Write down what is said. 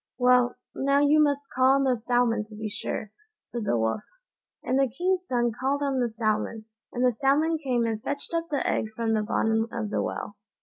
"Well, now you must call on the salmon to be sure," said the Wolf; and the king's son called on the salmon, and the salmon came and fetched up the egg from the bottom of the well.